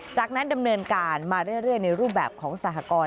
จากนั้นดำเนินการมาเรื่อยในรูปแบบของสหกรณ์